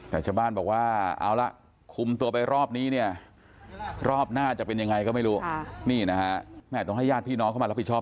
เพราะว่าเขาอร่อยจะดีกันกับน้องเราด้วยไงค่ะ